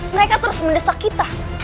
mereka terus mendesak kita